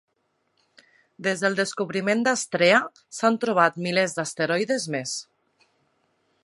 Des del descobriment d'Astrea, s'han trobat milers d'asteroides més.